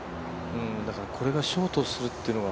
だからこれがショートするっていうのは。